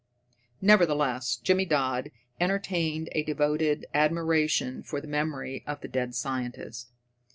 Nevertheless, Jimmy Dodd entertained a devoted admiration for the memory of the dead scientist.